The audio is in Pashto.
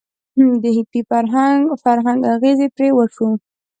د هیپي فرهنګ اغیز پرې وشو.